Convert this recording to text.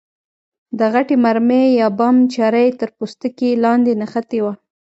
د غټې مرمۍ یا بم چره یې تر پوستکي لاندې نښتې وه.